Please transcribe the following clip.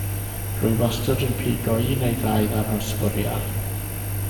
Rwy wastad yn pigo un neu ddau darn o sbwriel.